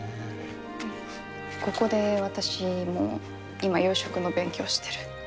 ここで私も今養殖の勉強してる。